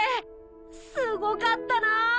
すごかったなあ！